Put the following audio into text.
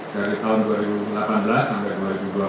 dari tahun dua ribu delapan belas sampai dua ribu dua puluh